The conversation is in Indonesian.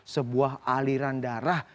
sebuah aliran darah